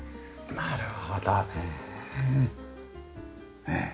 なるほどね。